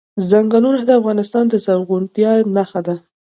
ځنګلونه د افغانستان د زرغونتیا نښه ده.